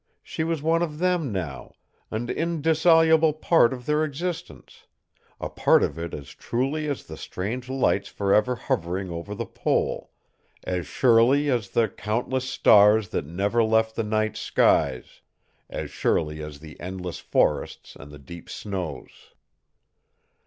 She was one of them now, an indissoluble part of their existence a part of it as truly as the strange lights for ever hovering over the pole, as surely as the countless stars that never left the night skies, as surely as the endless forests and the deep snows!